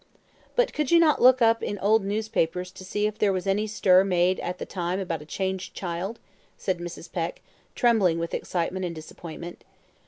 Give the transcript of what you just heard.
"But could you not look up in old newspapers to see if there was any stir made at the time about a changed child?" said Mrs. Peck, trembling with excitement and disappointment.